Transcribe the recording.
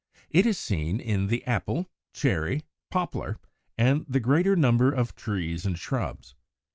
It is seen in the Apple (Fig. 188), Cherry, Poplar, and the greater number of trees and shrubs.